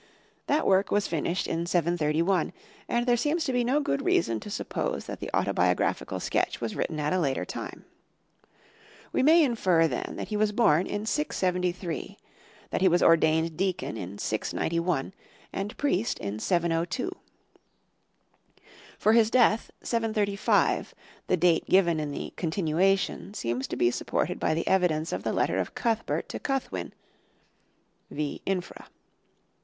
That work was finished in 731, and there seems to be no good reason to suppose that the autobiographical sketch was written at a later time. We may infer then that he was born in 673, that he was ordained deacon in 691 and priest in 702. For his death, 735, the date given in the "Continuation," seems to be supported by the evidence of the letter of Cuthbert to Cuthwin (v. infra).